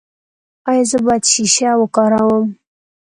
ایا زه باید شیشه وکاروم؟